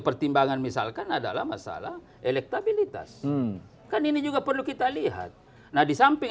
pertimbangan misalkan adalah masalah elektabilitas kan ini juga perlu kita lihat nah di samping